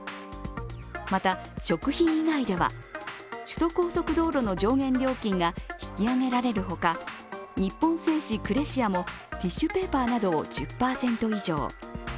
また、食品以外では首都高速道路の上限料金が引き上げられるほか、日本製紙クレシアもティッシュペーパーなどを１０％以上。